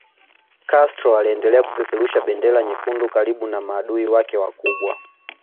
Castro aliendelea kupeperusha bendera nyekundu karibu na maadui wake wakubwa